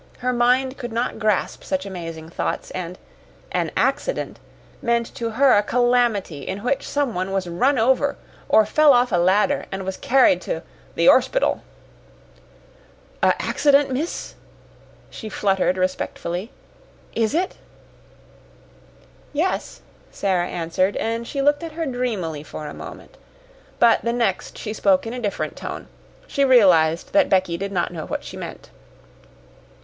Her mind could not grasp such amazing thoughts, and "an accident" meant to her a calamity in which some one was run over or fell off a ladder and was carried to "the 'orspital." "A' accident, miss," she fluttered respectfully. "Is it?" "Yes," Sara answered, and she looked at her dreamily for a moment. But the next she spoke in a different tone. She realized that Becky did not know what she meant.